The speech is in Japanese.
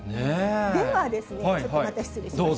では、ちょっとまた失礼しますね。